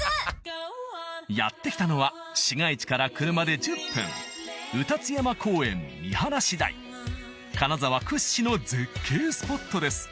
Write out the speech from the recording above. やって来たのは市街地から車で１０分金沢屈指の絶景スポットです